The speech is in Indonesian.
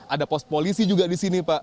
ada pos polisi juga di sini pak